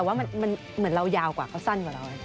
แต่ว่ามันเหมือนเรายาวกว่าเขาสั้นกว่าเรา